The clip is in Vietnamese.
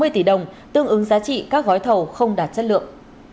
bốn trăm sáu mươi tỷ đồng tương ứng giá trị các gói thầu không đạt chất lượng